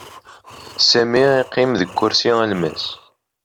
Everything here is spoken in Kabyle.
Sami iqqim deg kursi alemmas.